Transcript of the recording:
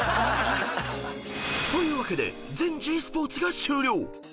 ［というわけで全ｇスポーツが終了］